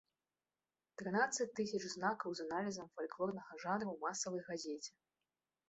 Трынаццаць тысяч знакаў з аналізам фальклорнага жанру ў масавай газеце!